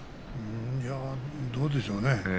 どうでしょうかね。